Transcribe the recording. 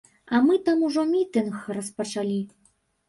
А мы там ужо мітынг распачалі.